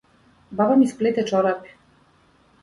Баба ми сплете чорапи.